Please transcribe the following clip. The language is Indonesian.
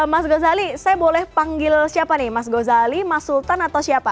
mas ghazali saya boleh panggil siapa nih mas ghazali mas sultan atau siapa